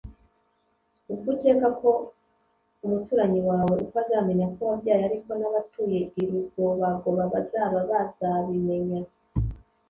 Ubwo ukeka ko umuturanyi wawe uko azamenya ko wabyaye ariko n’abatuye i Rugobagoba bazaba bazabimenya